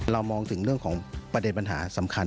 มองถึงเรื่องของประเด็นปัญหาสำคัญ